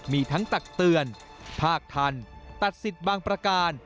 มีทั้งตักเตือนภาคทันตัดสิทธิ์บางประการ